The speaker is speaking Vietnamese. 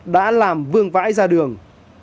đã làm vương vãi ra đường